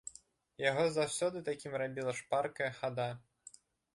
Яго заўсёды такім рабіла шпаркая хада.